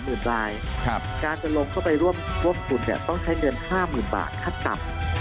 การจะลงเข้าไปรวมคุณเนี่ยต้องใช้เงิน๕๐๐๐๐บาทค่าต่ำ